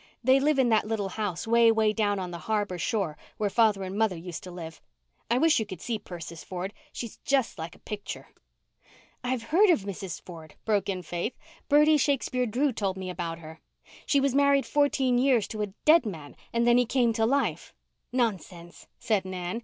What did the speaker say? They live in that little house 'way, 'way down on the harbour shore where father and mother used to live. I wish you could see Persis Ford. She is just like a picture." "I've heard of Mrs. Ford," broke in Faith. "Bertie Shakespeare Drew told me about her. She was married fourteen years to a dead man and then he came to life." "Nonsense," said Nan.